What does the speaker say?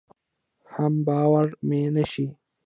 حم باور مې نشي.